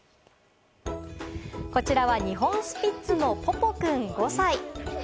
こちらは日本スピッツのぽぽくん、５歳。